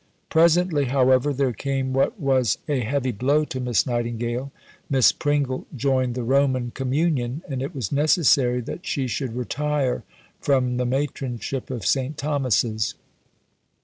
Presently, however, there came what was a heavy blow to Miss Nightingale. Miss Pringle joined the Roman communion, and it was necessary that she should retire from the Matronship of St. Thomas's.